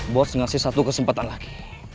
bos ngasih satu kesempatan lagi